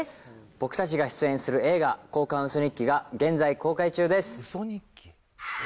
僕たちが出演する映画、交換ウソ日記が現在公開中です。